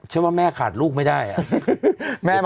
ฉันว่าแม่ขาดลูกไม่ได้อ่ะ